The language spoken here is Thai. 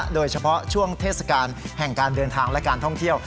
โดยเฉพาะช่วงเทศกาลแห่งการเดินทางและการท่องเที่ยว